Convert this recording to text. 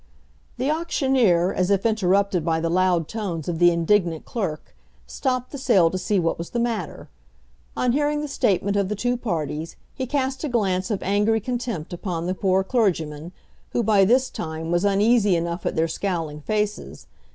The auctioneer, as if interrupted by the loud tones of the indignant clerk, stopped the sale to see what was the matter. On hearing the statement of the two parties, he cast a glance of angry contempt upon the poor clergyman, who, by this time, was uneasy enough at their scowling faces.